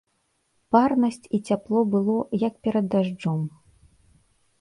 Парнасць і цяпло было, як перад дажджом.